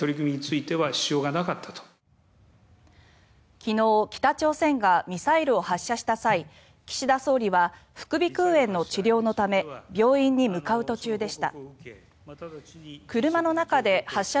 昨日北朝鮮がミサイルを発射した際岸田総理は副鼻腔炎の治療のため病院に向かう途中でした。